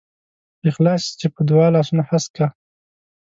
په اخلاص چې په دعا لاسونه هسک کا.